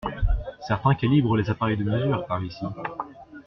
Certains calibrent les appareils de mesure, par ici